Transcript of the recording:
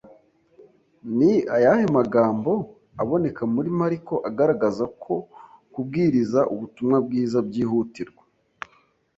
Ni ayahe magambo aboneka muri Mariko agaragaza ko kubwiriza ubutumwa bwiza byihutirwa